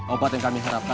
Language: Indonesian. obat yang kami harapkan